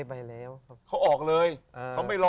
เขาออกเลยเขาไม่รอ